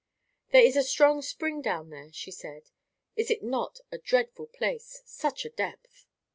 "There is a strong spring down there," she said. "Is it not a dreadful place? Such a depth!"